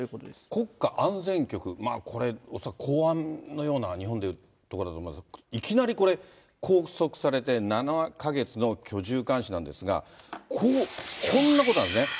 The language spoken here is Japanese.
国家安全局、これ、公安のような、日本でいうと、いきなりこれ、拘束されて、７か月の居住監視なんですが、こんなことなんですね。